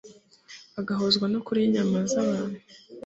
bagahuzwa no kurya inyama z'abantu